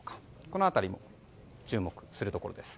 この辺りも注目するところです。